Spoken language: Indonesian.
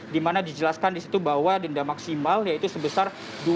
dimana dijelaskan disitu bahwa denda maksimal yaitu sebesar